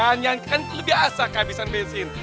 hahaha ya kan itu lebih asa kehabisan bensin